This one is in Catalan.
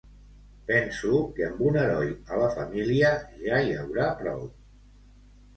Penso que amb un heroi a la família ja hi haurà prou.